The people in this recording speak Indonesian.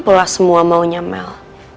pola semua maunya mel